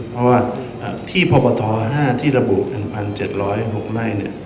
เพราะว่าที่พภ๕ที่ระบุ๑๗๐๖หน้า